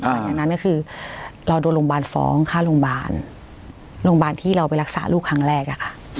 หลังจากนั้นก็คือเราโดนโรงพยาบาลฟ้องค่าโรงพยาบาลโรงพยาบาลที่เราไปรักษาลูกครั้งแรกอะค่ะ